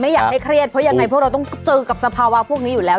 อยากให้เครียดเพราะยังไงพวกเราต้องเจอกับสภาวะพวกนี้อยู่แล้ว